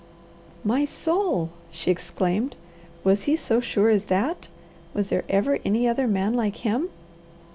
"My soul!" she exclaimed. "WAS HE SO SURE AS THAT? Was there ever any other man like him?"